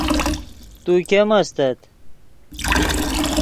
تو ګیم استت